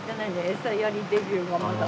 餌やりデビューもまだ。